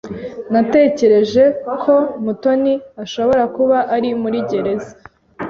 Natekereje ko Mutoni ashobora kuba ari muri gereza.